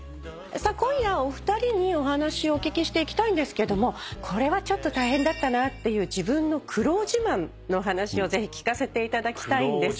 今夜はお二人にお話をお聞きしていきたいんですけどこれはちょっと大変だったなっていう自分の苦労自慢の話をぜひ聞かせていただきたいんですけども。